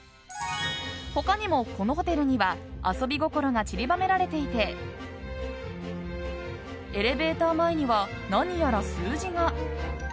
他にも、このホテルには遊び心が散りばめられていてエレベーター前には何やら数字が。